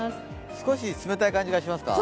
少し冷たい感じがしますか？